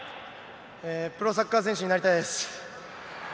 プロサッカー選手になりたいです。